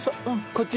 こっち？